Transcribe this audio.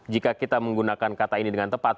jika kita menggunakan kata ini dengan tepat